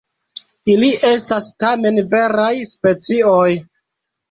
Ili estas tamen veraj specioj.